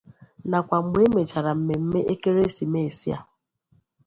nakwa mgbe e mèchara mmemme ekeresimeesi a.